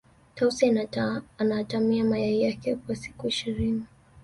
tausi anaatamia mayai yake kwa siku ishirini